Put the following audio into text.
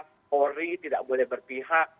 bnp nya tidak boleh berpihak